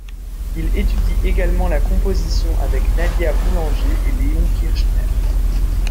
Il étudie également la composition avec Nadia Boulanger et Leon Kirchner.